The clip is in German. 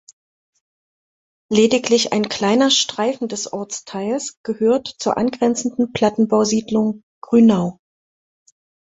Lediglich ein kleiner Streifen des Ortsteils gehört zur angrenzenden Plattenbausiedlung Grünau.